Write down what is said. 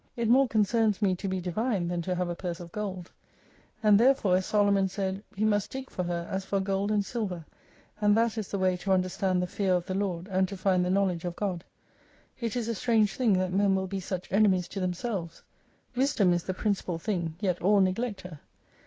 It more concerns me to be Divine than to have a purse of gold. And therefore as Solomon said. We must dig for heras for gold and stiver, and that is the way to under stand the fear of the Lord, and to find the knowledge of God. It is a strange thing that men will be such enemies to themselves. Wisdom is the principal thing, yet all neglect her.